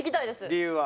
理由は？